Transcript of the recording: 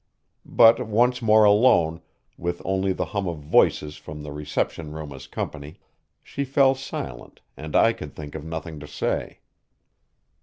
But once more alone, with only the hum of voices from the reception room as company, she fell silent, and I could think of nothing to say.